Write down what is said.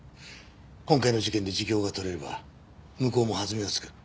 今回の事件で自供が取れれば向こうも弾みが付く。